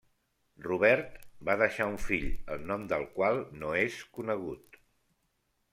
Robert va deixar un fill, el nom del qual no és conegut.